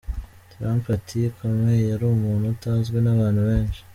Trump ati “Comey yari umuntu utazwi n’abantu benshi.